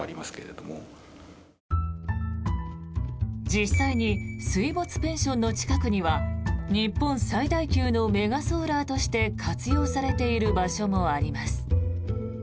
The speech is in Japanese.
実際に水没ペンションの近くには日本最大級のメガソーラーとして活用されている場所もあります。